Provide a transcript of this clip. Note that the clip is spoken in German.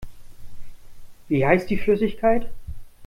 Wie heißt die Flüssigkeit?